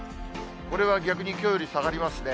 これは逆に、きょうより下がりますね。